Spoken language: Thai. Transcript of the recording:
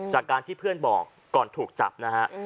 จากการที่เพื่อนบอกก่อนถูกจับนะฮะ